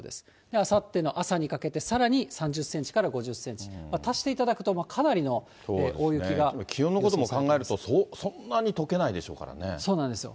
あさっての朝にかけてさらに３０センチから５０センチ、足していただくと、気温のことも考えると、そうなんですよ。